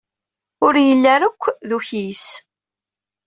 Ur yelli ara akk d ukyis.